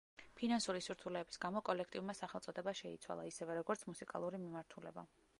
ფინანსური სირთულეების გამო კოლექტივმა სახელწოდება შეიცვალა, ისევე, როგორც მუსიკალური მიმართულება.